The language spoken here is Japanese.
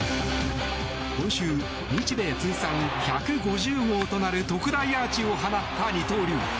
今週、日米通算１５０号となる特大アーチを放った二刀流。